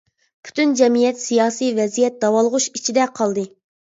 پۈتۈن جەمئىيەت، سىياسىي ۋەزىيەت داۋالغۇش ئىچىدە قالدى.